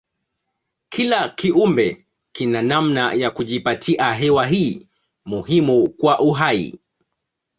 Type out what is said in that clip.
Kila kiumbe kina namna ya kujipatia hewa hii muhimu kwa uhai.